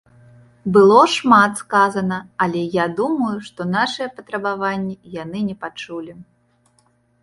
Было шмат сказана, але я думаю, што нашыя патрабаванні яны не пачулі.